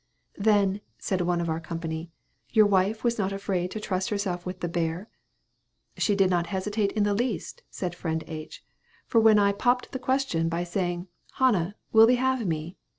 "Then," said one of our company, "your wife was not afraid to trust herself with the bear?" "She did not hesitate in the least," said friend H.; "for when I 'popped the question,' by saying, 'Hannah, will thee have me?'